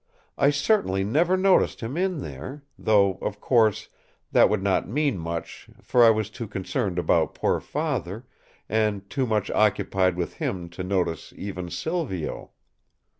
I certainly never noticed him in here; though, of course, that would not mean much, for I was too concerned about poor father, and too much occupied with him, to notice even Silvio."